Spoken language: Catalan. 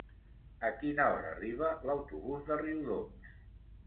A quina hora arriba l'autobús de Riudoms?